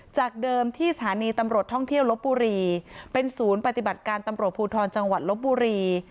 จากเดิมที่สถานีตำรวจท่องเที่ยวลบบุรีเป็นศูนย์ปฏิบัติการตำรวจภูทรจังหวัดลบบุรี